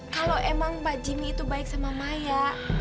kalau emang mbak jimmy itu baik sama maya